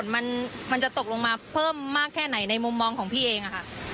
มันจะตกลงมาเพิ่มมากแค่ไหนในมุมมองของพี่เองค่ะ